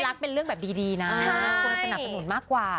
ความรักเป็นเรื่องแบบดีนะคุณอาจจะหนักผลมากกว่า